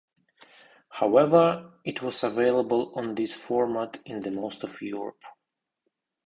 However, it was available on this format in most of Europe.